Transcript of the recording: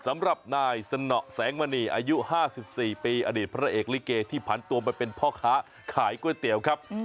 อายุ๕๔ปีอดีตพระเอกลิเกย์ที่ผันตัวไปเป็นพ่อค้าขายก๋วยเตี๋ยวครับ